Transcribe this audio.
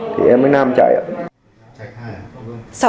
thì em mới nam chạy ạ